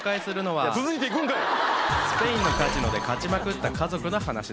スペインのカジノで勝ちまくった家族の話です。